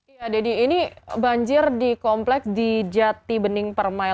ya deddy ini banjir di kompleks di jati bening permai